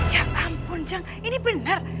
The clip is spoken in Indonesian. ya ampun jeng ini bener